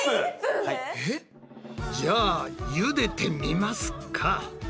じゃあ茹でてみますか。